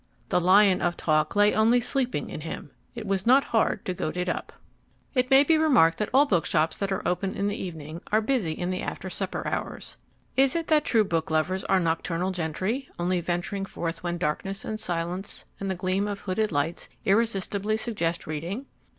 The lion of talk lay only sleeping in him; it was not hard to goad it up. It may be remarked that all bookshops that are open in the evening are busy in the after supper hours. Is it that the true book lovers are nocturnal gentry, only venturing forth when darkness and silence and the gleam of hooded lights irresistibly suggest reading?